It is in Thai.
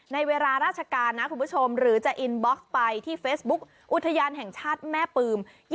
ในเวลาราชการนะคุณผู้ชมหรือจะอินบ็อกซ์ไปที่เฟซบุ๊กอุทยานแห่งชาติแม่ปืม